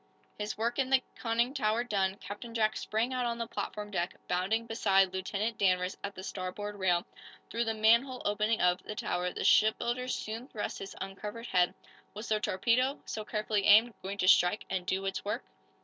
His work in the conning tower done, Captain Jack sprang out on the platform deck, bounding beside Lieutenant Danvers at the starboard rail. Through the manhole opening of, the tower the shipbuilder soon thrust his uncovered head. Was the torpedo, so carefully aimed, going to strike and do its work?